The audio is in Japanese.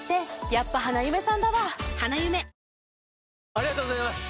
ありがとうございます！